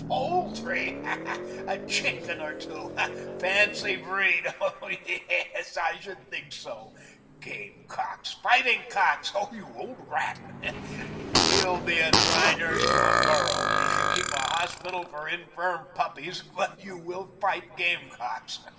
"'Poultry' 'a chicken or two' 'fancy breed' ho! yes, I should think so. Game cocks! Fighting cocks! Oh, you old rat! You'll be a dry nurse to a burro, and keep a hospital for infirm puppies, but you will fight game cocks.